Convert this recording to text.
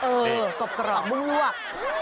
เออสบกรอบผักบุ้งหลวก